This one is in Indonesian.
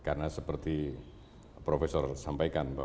karena seperti profesor sampaikan